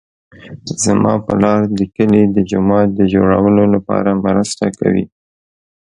زما پلار د کلي د جومات د جوړولو لپاره مرسته کوي